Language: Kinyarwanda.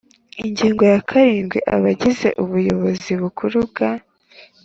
Ingingo ya karindwi Abagize Ubuyobozi Bukuru bwa